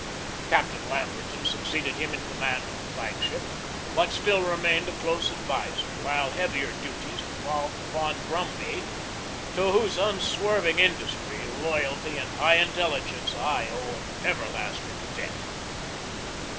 Captain Lamberton succeeded him in com mand of the flag ship, but still remained a close ad viser, while heavier duties devolved upon Brumby, to whose unswerving industry, loyalty, and high in telligence I owe an everlasting debt.